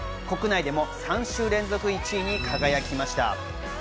国内でも３週連続１位に輝きました。